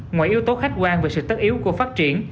ngoài yếu tố khách quan về sự tất yếu của phát triển